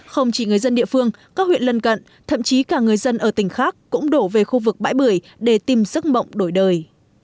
không chỉ người dân địa phương các huyện lân cận thậm chí cả người dân ở tỉnh khác cũng đổ về khu vực bãi bưởi để tìm sức mộng đổi đời